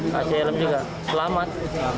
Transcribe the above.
kasih helm juga selamat